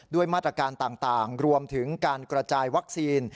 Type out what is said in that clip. มาตรการต่างรวมถึงการกระจายวัคซีน